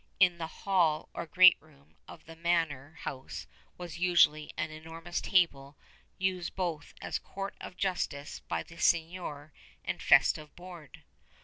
In the hall or great room of the manor house was usually an enormous table used both as court of justice by the seignior and festive board.